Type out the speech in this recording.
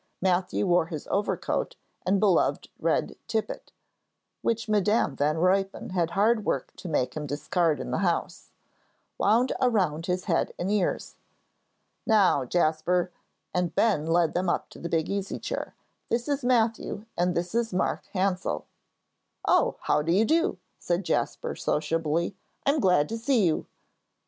Matthew wore his overcoat and beloved red tippet (which Madam Van Ruypen had hard work to make him discard in the house) wound around his head and ears. "Now, Jasper," and Ben led them up to the big easy chair, "this is Matthew and this is Mark Hansell." "Oh, how do you do?" said Jasper, sociably. "I'm glad to see you."